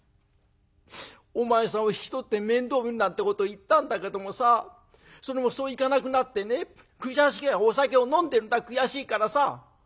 お前さんを引き取って面倒見るなんてこと言ったんだけどもさそれもそういかなくなってねお酒を飲んでるんだ悔しいからさ」。